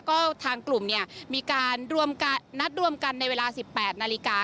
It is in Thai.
ก็ทางกลุ่มเนี่ยมีการนัดรวมกันในเวลา๑๘นาฬิกา